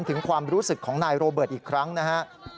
ถึงความรู้สึกของนายโรเบิร์ตอีกครั้งนะฮะ